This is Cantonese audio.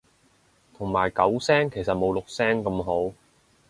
同埋九聲其實冇六聲咁好